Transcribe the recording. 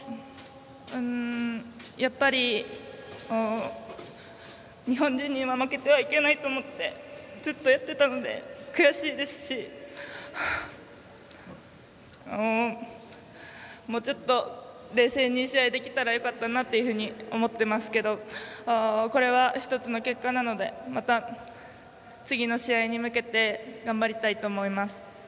やっぱり日本人には負けてはいけないと思ってずっとやっていたので悔しいですしもうちょっと冷静に試合ができたらよかったなと思っていますがこれは１つの結果なのでまた次の試合に向けて頑張りたいと思います。